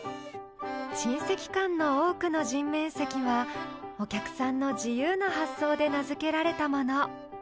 珍石館の多くの人面石はお客さんの自由な発想で名付けられたもの